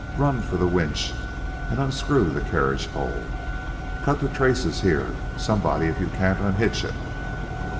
Run for the winch and unscrew the carriage pole! Cut the trace here, somebody, if you can't unhitch it!"